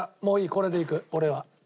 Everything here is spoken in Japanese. これでいく俺は。